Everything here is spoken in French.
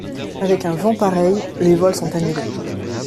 Avec un vent pareil, les vols sont annulés.